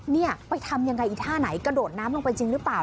เนี่ยไปทำยังไงอีกท่าไหนกระโดดน้ำลงไปจริงหรือเปล่า